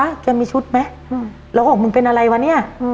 หัวห่างมึงเป็นอะไรงั้น